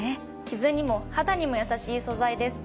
キズにも肌にもやさしい素材です。